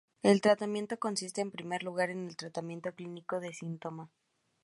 El tratamiento consiste, en primer lugar, en el tratamiento clínico del síntoma.